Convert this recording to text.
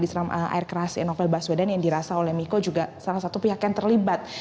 diserang air keras novel baswedan yang dirasa oleh miko juga salah satu pihak yang terlibat